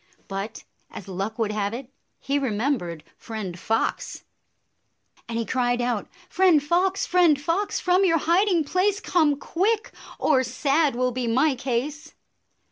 But, as good luck would 95 have it, he remembered Friend Fox, and he cried out, " Friend Fox, Friend Fox, from your hiding place Come quick, or sad will be my case!